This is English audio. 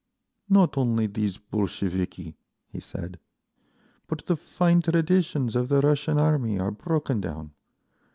"Not only these Bolsheviki," he said, "but the fine traditions of the Russian army are broken down.